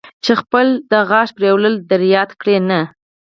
چې خپل د غاښ پرېولل در یاد کړي، نه.